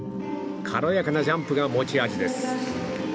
軽やかなジャンプが持ち味です。